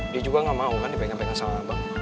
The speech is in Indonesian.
dia juga gak mau kan dipengen pengen sama abang